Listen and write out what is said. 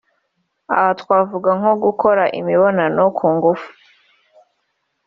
Aha twavuga nko gukora imibonano ku ngufu